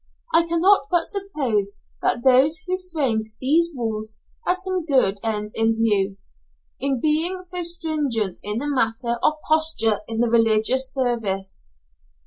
I cannot but suppose that those who framed these rules had some good end in view, in being so stringent in the matter of posture in the religious services.